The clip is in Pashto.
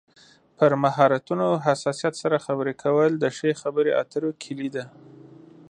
پر مهارتونو او حساسیت سره خبرې کول د ښې خبرې اترو کلي ده.